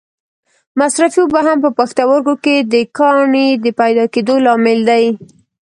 مصرفې اوبه هم په پښتورګو کې د کاڼې د پیدا کېدو لامل دي.